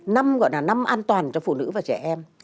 năm gọi là năm an toàn cho phụ nữ và trẻ em